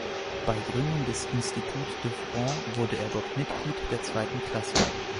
Bei Gründung des Institut de France wurde er dort Mitglied der zweiten Klasse.